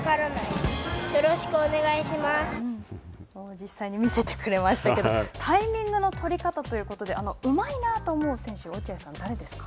実際に見せてくれましたけどタイミングの取り方ということで、うまいなと思う選手